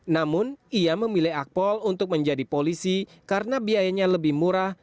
namun ia memilih akpol untuk menjadi polisi karena biayanya lebih murah